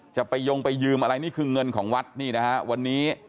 จะไปยงไปยืมอะไรนี่คือเงินของวัดนี่นะฮะวันนี้